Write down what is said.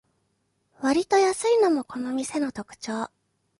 わりと安いのもこの店の特長